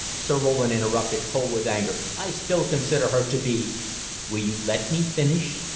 Sir Roland interrupted, cold with anger. "I still consider her to be " "Will you let me finish?